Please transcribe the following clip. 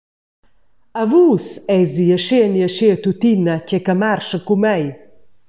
A vus eis ei aschia ni aschia tuttina tgei che marscha cun mei!